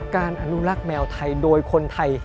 อนุรักษ์แมวไทยโดยคนไทย